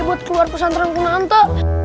buat keluar pesantren kunanta